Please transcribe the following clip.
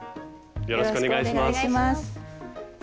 よろしくお願いします。